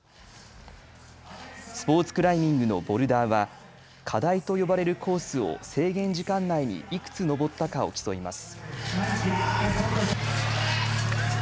スポーツクライミングのボルダーは課題と呼ばれるコースを制限時間内にいくつ登ったかを競います。